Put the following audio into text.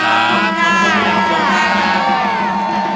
ขอบคุณมากสวัสดีค่ะ